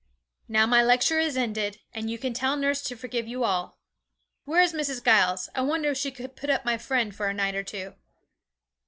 Now my lecture is ended, and you can tell nurse to forgive you all. Where is Mrs. Giles? I wonder if she could put up my friend for a night or two.'